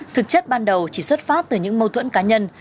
thực chất ban đầu chỉ xuất phát từ những mâu thuẫn cá nhân